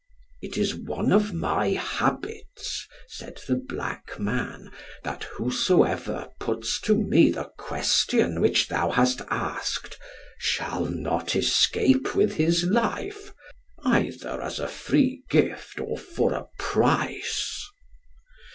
"It is one of my habits," said the black man, "that whosoever puts to me the question which thou hast asked, shall not escape with his life, either as a free gift, or for a price."